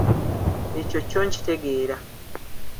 Ekyo kyo nkitegeera.